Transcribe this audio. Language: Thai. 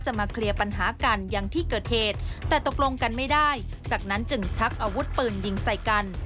จากนั้นจึงชักอาวุธปืนยิงใส่กัน